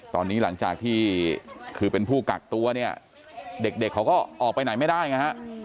ตอนนี้หลังจากที่คือเป็นผู้กักตัวเนี่ยเด็กเขาก็ออกไปไหนไม่ได้ไงฮะ